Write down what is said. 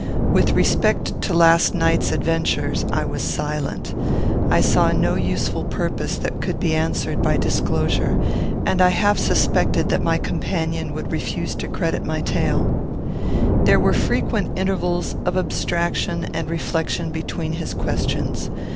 With respect to last night's adventures I was silent. I saw no useful purpose that could be answered by disclosure, and I half suspected that my companion would refuse credit to my tale. There were frequent intervals of abstraction and reflection between his questions.